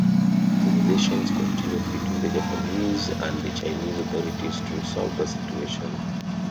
Negotiations continued between the Japanese and the Chinese authorities to resolve the situation.